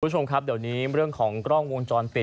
คุณผู้ชมครับเดี๋ยวนี้เรื่องของกล้องวงจรปิด